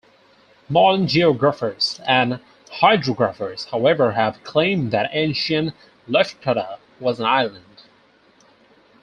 Modern geographers and hydrographers, however, have claimed that ancient Lefkada was an island.